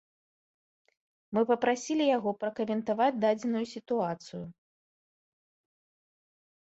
Мы папрасілі яго пракаментаваць дадзеную сітуацыю.